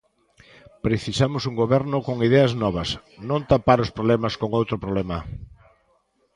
"Precisamos un goberno con ideas novas, non tapar os problemas con outro problema".